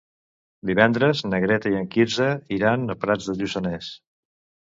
Divendres na Greta i en Quirze iran a Prats de Lluçanès.